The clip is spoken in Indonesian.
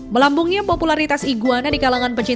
melambungnya popularitas iguana di kalangan pecinta